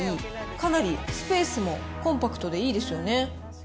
かなりスペースもコンパクトでいいですよね。